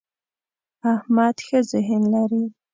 احمد ښه ذهن لري.